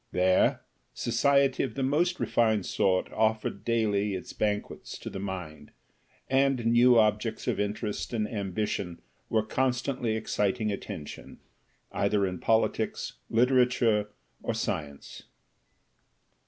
There, society of the most refined sort offered daily its banquets to the mind, and new objects of interest and ambition were constantly exciting attention either in politics, literature, or science."